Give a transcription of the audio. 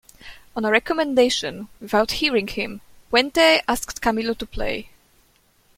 On a recommendation, without hearing him, Puente asked Camilo to play.